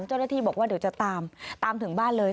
เจ้าหน้าที่บอกว่าเดี๋ยวจะตามตามถึงบ้านเลย